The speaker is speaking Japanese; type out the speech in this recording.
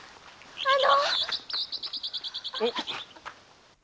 あの。